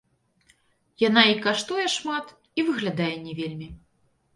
Яна і каштуе шмат, і выглядае не вельмі.